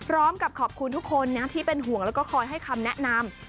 พร้อมกับขอบคุณทุกคนนะที่เป็นห่วงแล้วก็คอยให้คำแนะนำ